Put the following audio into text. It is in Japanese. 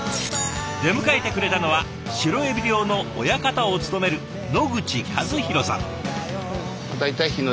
出迎えてくれたのはシロエビ漁の親方を務める野口和宏さん。